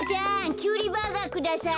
キュウリバーガーください。